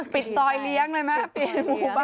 ปิดซอยเลี้ยงเลยนะปิดหมู่บ้าน